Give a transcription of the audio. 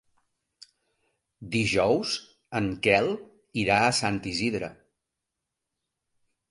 Dijous en Quel irà a Sant Isidre.